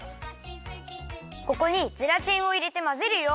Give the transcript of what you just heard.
ここにゼラチンをいれてまぜるよ。